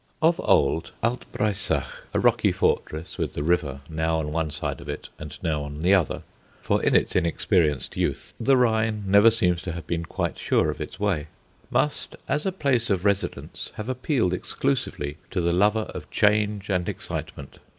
Of old, Alt Breisach, a rocky fortress with the river now on one side of it and now on the other for in its inexperienced youth the Rhine never seems to have been quite sure of its way, must, as a place of residence, have appealed exclusively to the lover of change and excitement.